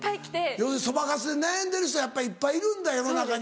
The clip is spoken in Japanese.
要するにそばかすで悩んでる人いっぱいいるんだ世の中に。